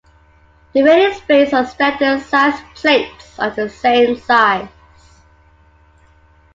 The rating is based on standard sized plates of the same size.